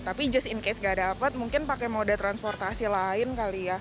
tapi just in case gak dapat mungkin pakai moda transportasi lain kali ya